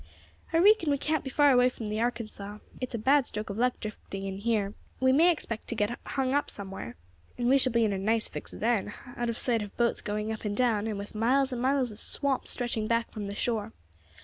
I reekon we can't be far away from the Arkansas. It's a bad stroke of luck drifting in here; we may expect to get hung up somewhere, and we shall be in a nice fix then, out of sight of boats going up and down, and with miles and miles of swamp stretching back from the shore.